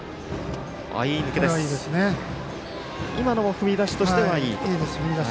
踏み出しとしてはいいと。